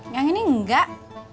yang ini enggak